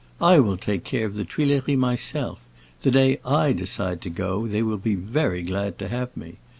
I will take care of the Tuileries myself; the day I decide to go they will be very glad to have me.